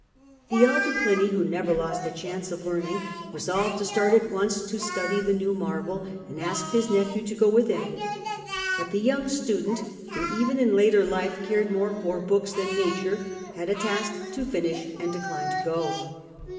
The elder Pliny, who never lost a chance of learning, resolved to start at once to study the new marvel, and asked his nephew to go with him. But the young student, who even in later life cared more for books than nature, had a task to finish and declined to go.